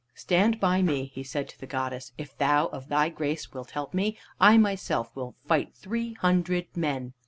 "Stand by me!" he said to the goddess. "If thou of thy grace wilt help me, I myself will fight three hundred men."